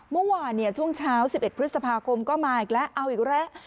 เมื่อวานช่วงเช้า๑๑พฤษภาคมก็มาอีกแล้วเอาอีกแล้ว